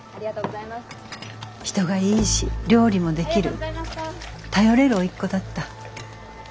人がいいし料理もできる頼れる甥っ子だった。